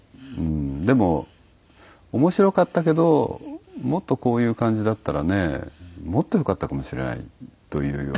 「でも面白かったけどもっとこういう感じだったらねもっと良かったかもしれない」というような。